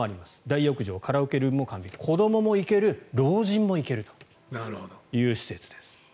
大浴場、カラオケルームも完備子どもも行ける老人も行けるという施設です。